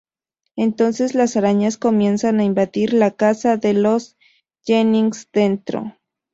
Entonces las arañas comienzan a invadir la casa con los Jennings dentro.